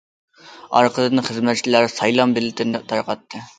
ئارقىدىن خىزمەتچىلەر سايلام بېلىتىنى تارقاتتى.